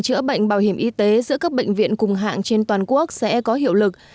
chữa bệnh bảo hiểm y tế giữa các bệnh viện cùng hạng trên toàn quốc sẽ có hiệu lực